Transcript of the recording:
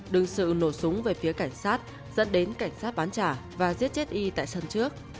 đừng sự nổ súng về phía cảnh sát dẫn đến cảnh sát bán trả và giết chết y tại sân trước